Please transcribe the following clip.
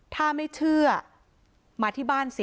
ถ้าไม่เชื่อมาที่บ้านสิ